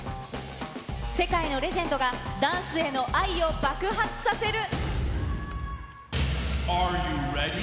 世界のレジェンドが、ダンスへの愛を爆発させる。